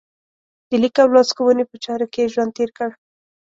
د لیک او لوست ښوونې په چارو کې یې ژوند تېر کړ.